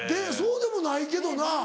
そうでもないけどな。